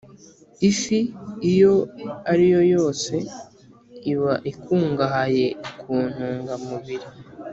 Ifi iyo ari yo yose iba ikungahaye ku ntungamubiri,